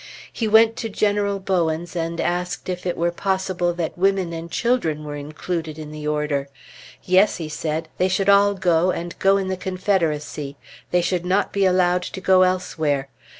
He went to General Bowens and asked if it were possible that women and children were included in the order. Yes, he said; they should all go, and go in the Confederacy. They should not be allowed to go elsewhere.